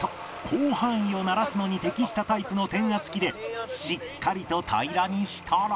広範囲をならすのに適したタイプの転圧機でしっかりと平らにしたら